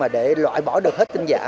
để loại bỏ được hết tin giả